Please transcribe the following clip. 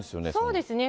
そうですね。